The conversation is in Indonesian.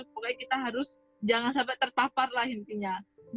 pokoknya kita harus jangan sampai terpapar lah intinya